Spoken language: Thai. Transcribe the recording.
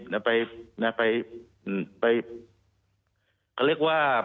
เขาเรียกว่า